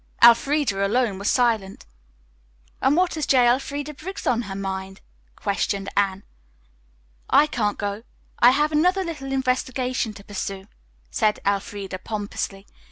Elfreda alone was silent. "And what has J. Elfreda Briggs on her mind?" questioned Anne. "I can't go. I have another little investigation to pursue," said Elfreda pompously.